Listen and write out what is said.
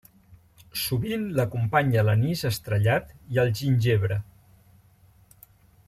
Sovint l'acompanya l'anís estrellat i el gingebre.